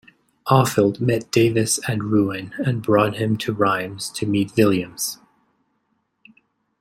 Aufield met Davis at Rouen and brought him to Rheims to meet Williams.